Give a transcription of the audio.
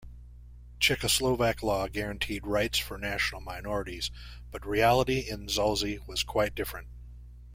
Czechoslovak law guaranteed rights for national minorities but reality in Zaolzie was quite different.